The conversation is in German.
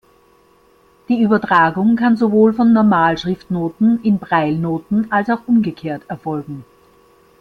Die Übertragung kann sowohl von Normalschrift-Noten in Braille-Noten als auch umgekehrt erfolgen.